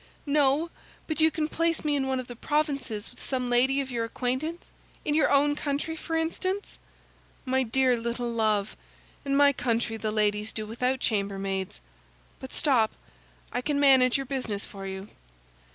"No; but you can place me in one of the provinces with some lady of your acquaintance—in your own country, for instance." "My dear little love! In my country the ladies do without chambermaids. But stop! I can manage your business for you.